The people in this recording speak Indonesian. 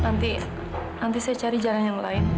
nanti saya cari jalan yang lain